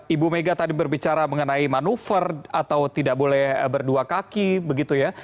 ibu mega tadi berbicara mengenai manuver atau tidak boleh berdua kaki begitu ya